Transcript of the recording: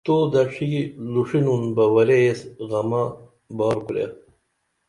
تو دڇھی لُݜِنُن بہ ورے ایس غمہ بار کُرے